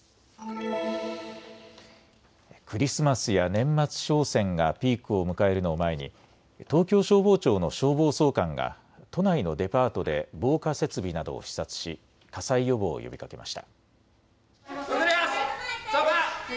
クリスマスや年末商戦がピークを迎えるのを前に東京消防庁の消防総監が都内のデパートで防火設備などを視察し火災予防を呼びかけました。